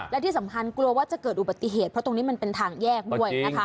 และที่สำคัญกลัวว่าจะเกิดอุบัติเหตุเพราะตรงนี้มันเป็นทางแยกด้วยนะคะ